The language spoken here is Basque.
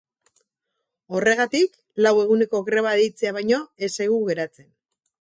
Horregatik, lau eguneko greba deitzea baino ez zaigu geratzen.